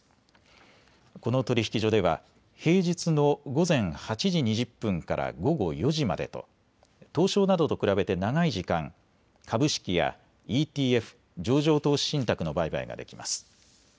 この取引所では平日の午前８時２０分から午後４時までと東証などと比べて長い時間、株式やＥＴＦ・上場投資信託の売買ができます。